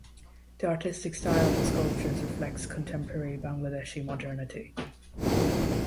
The artistic style of the sculptures reflects contemporary Bangladeshi modernity.